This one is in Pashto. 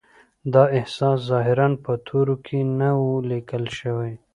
دا احساس ظاهراً په تورو کې نه و لیکل شوی